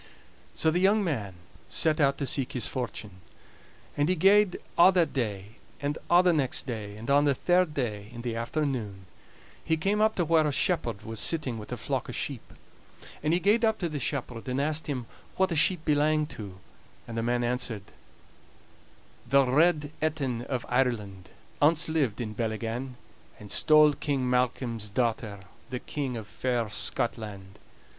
So the young man set out to seek his fortune. And he gaed a' that day, and a' the next day; and on the third day, in the afternoon, he came up to where a shepherd was sitting with a flock o' sheep. And he gaed up to the shepherd and asked him wha the sheep belanged to; and the man answered: "The Red Etin of Ireland Ance lived in Bellygan, And stole King Malcolm's daughter, The King of fair Scotland.